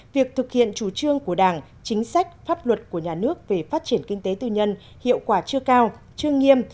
việc thực hiện chủ trương của đảng chính sách pháp luật của nhà nước về phát triển kinh tế tư nhân hiệu quả chưa cao chưa nghiêm